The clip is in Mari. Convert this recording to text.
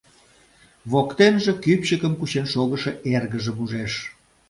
Воктенже кӱпчыкым кучен шогышо эргыжым ужеш.